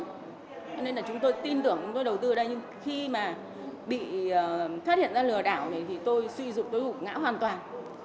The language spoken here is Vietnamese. cho nên là chúng tôi tin tưởng chúng tôi đầu tư ở đây nhưng khi mà bị phát hiện ra lừa đảo này thì tôi suy dụng tôi hụ ngã hoàn toàn